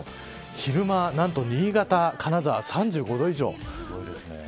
昼間、何と新潟、金沢３５度以上。